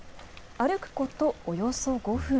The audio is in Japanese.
歩くこと、およそ５分。